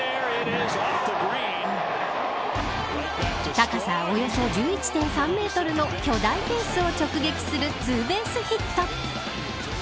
高さおよそ１１．３メートルの巨大フェンスを直撃するツーベースヒット。